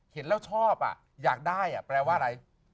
เห็นแล้วชอบอยากได้แปลว่าอะไร